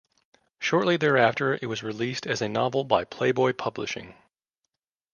Shortly thereafter it was released as a novel by Playboy Publishing.